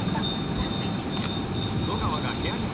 さあ入って。